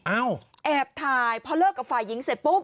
แอบถ่ายพอเลิกกับฝ่ายหญิงเสร็จปุ๊บ